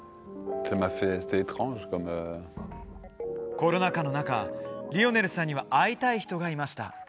コロナ禍の中、リオネルさんには会いたい人がいました。